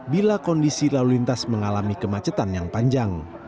bila kondisi lalu lintas mengalami kemacetan yang panjang